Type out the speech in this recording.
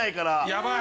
やばい。